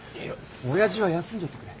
おやじは休んじょってくれ。